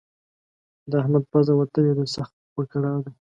د احمد پزه وتلې ده؛ سخت په کړاو دی.